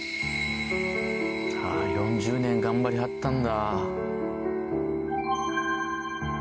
４０年頑張りはったんだ。